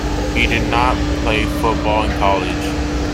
He did not play football in college.